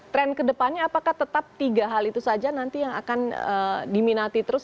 tren kedepannya apakah tetap tiga hal itu saja nanti yang akan diminati terus